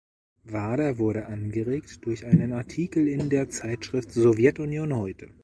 Wader wurde angeregt durch einen Artikel in der Zeitschrift „Sowjetunion heute“.